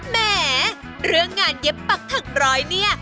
แหมเรื่องงานเย็บปักถักร้อยเนี่ย